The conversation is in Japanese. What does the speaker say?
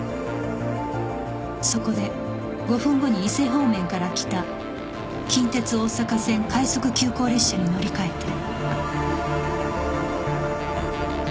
そこで５分後に伊勢方面から来た近鉄大阪線快速急行列車に乗り換えた。